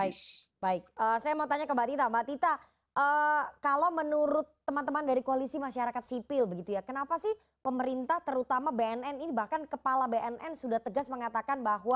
baik baik saya mau tanya ke mbak tita mbak tita kalau menurut teman teman dari koalisi masyarakat sipil begitu ya kenapa sih pemerintah terutama bnn ini bahkan kepala bnn sudah tegas mengatakan bahwa